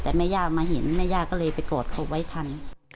แต่แม่ย่ามาเห็นแม่ย่าก็เลยไปกอดเขาไว้ทัน